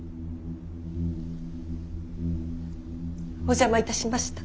お邪魔いたしました。